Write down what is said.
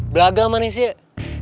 beragam aneh sih